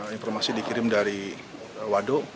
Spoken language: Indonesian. informasi dikirim dari wado